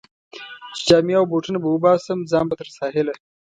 چې جامې او بوټونه به وباسم، ځان به تر ساحله.